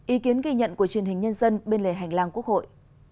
ý kiến ghi nhận của truyền hình nhân dân bên lề hành lang quốc hội